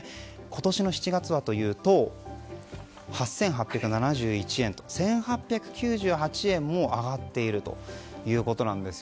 今年の７月は８８７１円と１８９８円も上がっているということです。